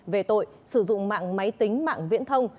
về tội sử dụng mạng máy tính mạng viễn thông